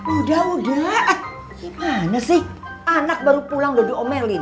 udah udah gimana sih anak baru pulang udah diomelin